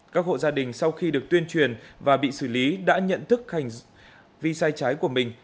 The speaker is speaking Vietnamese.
các hộ gia đình sau khi được tuyên truyền và bị xử lý đã nhận thức hành vi sai trái của mình